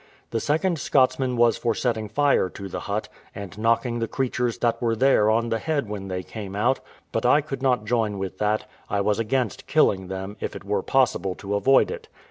The second Scotsman was for setting fire to the hut, and knocking the creatures that were there on the head when they came out; but I could not join with that; I was against killing them, if it were possible to avoid it.